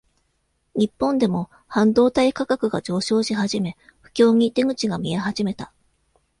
日本でも、半導体価格が上昇し始め、不況に、出口が見え始めた。